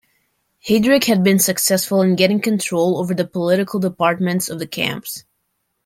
Heydrich had been successful in getting control over the "political departments" of the camps.